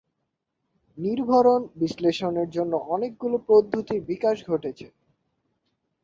নির্ভরণ বিশ্লেষণের জন্য অনেকগুলো পদ্ধতির বিকাশ ঘটেছে।